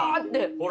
ほら！